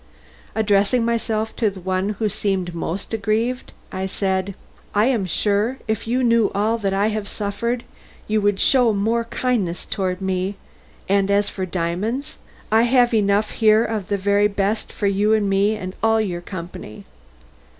Addressing myself to the one who seemed most aggrieved, I said: "I am sure, if you knew all that I have suffered, you would show more kindness towards me, and as for diamonds, I have enough here of the very best for you and me and all your company."